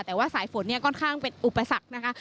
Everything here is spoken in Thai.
แต่ว่าสายฝนเนี่ยค่อนข้างเป็นอุปสรรคนะคะ